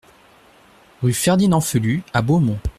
Rue Ferdinand Phelut à Beaumont